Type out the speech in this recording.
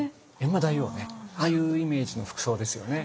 閻魔大王ねああいうイメージの服装ですよね。